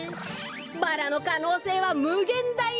バラのかのうせいはむげんだい